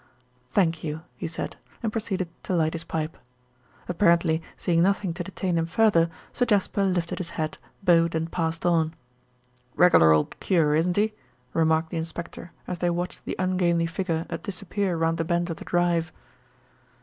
"Thank you," he said, and proceeded to light his pipe. Apparently seeing nothing to detain him further, Sir Jasper lifted his hat, bowed and passed on. "Regular old cure, isn't he?" remarked the inspector as they watched the ungainly figure disappear round the bend of the drive.